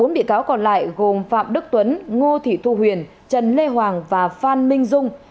bốn bị cáo còn lại gồm phạm đức tuấn ngô thị thu huyền trần lê hoàng và phan minh dung